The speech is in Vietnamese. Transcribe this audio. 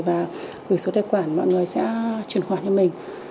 và người số tài quản mọi người sẽ truyền khoản cho mình